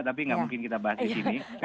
tapi gak mungkin kita bahas disini